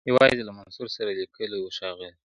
یوازي له منصور سره لیکلی وو ښاغلی!!